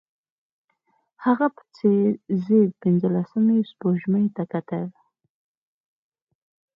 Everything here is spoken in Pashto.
هغه په ځير ځير پينځلسمې سپوږمۍ ته کتل.